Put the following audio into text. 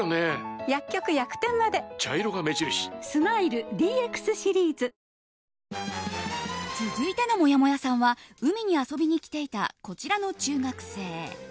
スマイル ＤＸ シリーズ！続いてのもやもやさんは海に遊びに来ていたこちらの中学生。